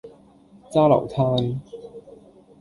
揸流灘